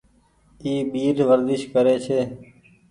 اي ٻير ورديش ڪري ڇي۔